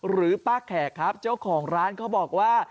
หรือป้าแขกครับเจ้าของร้านเขาบอกว่า